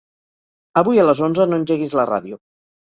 Avui a les onze no engeguis la ràdio.